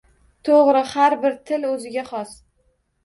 Toʻgʻri, har bir til oʻziga xos